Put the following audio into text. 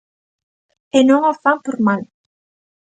E non o fan por mal.